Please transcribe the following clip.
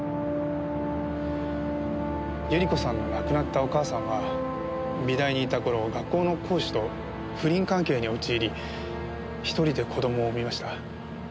百合子さんの亡くなったお母さんは美大にいた頃学校の講師と不倫関係に陥り一人で子供を産みました。